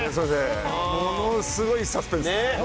ものすごいサスペンス。